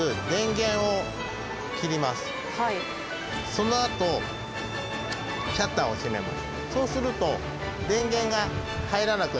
そのあとシャッターを閉めます。